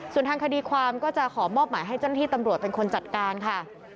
ส่วนทางคดีความก็จะขอมอบหมายให้เจ้าหน้าที่ตำรวจเป็นคนจัดการค่ะ